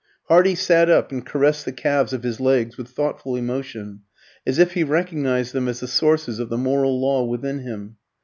Hardy sat up and caressed the calves of his legs with thoughtful emotion, as if he recognised them as the sources of the moral law within him.